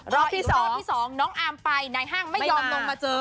รออีกรูปเตอร์ที่๒น้องอาร์มไปในห้างไม่ยอมลงมาเจอ